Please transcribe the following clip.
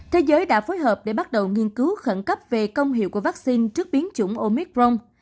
thế giới đã phối hợp để bắt đầu nghiên cứu khẩn cấp về công hiệu của vaccine trước biến chủng omicron